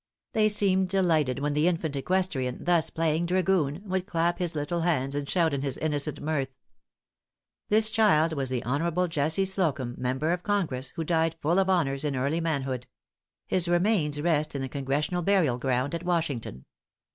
They seemed delighted when the infant equestrian thus playing dragoon, would clap his little hands and shout in his innocent mirth. This child was the Hon. Jesse Slocumb, member of Congress, who died full of honors in early manhood. His remains rest in the Congressional burial ground at Washington.